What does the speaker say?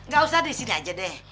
gak usah disini aja deh